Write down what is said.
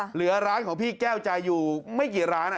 เหลือร้านของพี่แก้วใจอยู่ไม่กี่ร้าน